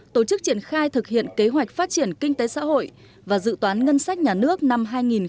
tổ chức triển khai thực hiện kế hoạch phát triển kinh tế xã hội và dự toán ngân sách nhà nước năm hai nghìn hai mươi